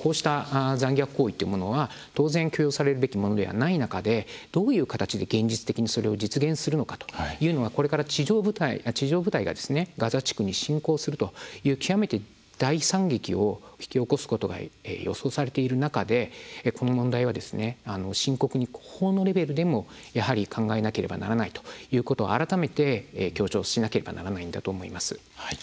こうした残虐行為というものは当然許容されるべきではない中でどういう形で現実的にそれを実現するのかというのはこれから地上部隊がガザ地区に侵攻するという極めて大惨劇を引き起こすことが予想されている中でこの問題は深刻に法のレベルでも考えなければならないということを改めて強調しなければならないんだと思います。